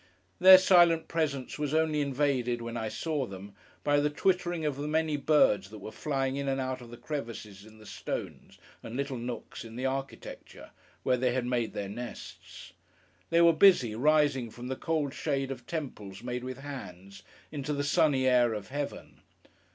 Their silent presence was only invaded, when I saw them, by the twittering of the many birds that were flying in and out of the crevices in the stones and little nooks in the architecture, where they had made their nests. They were busy, rising from the cold shade of Temples made with hands, into the sunny air of Heaven.